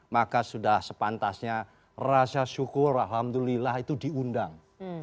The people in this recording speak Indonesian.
maka sudah sepantasnya rasa syukur alhamdulillah itu diundang